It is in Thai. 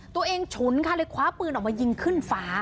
ฉุนค่ะเลยคว้าปืนออกมายิงขึ้นฟ้า